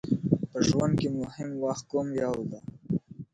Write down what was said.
ازادي راډیو د تعلیم په اړه مثبت اغېزې تشریح کړي.